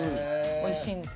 おいしいんです。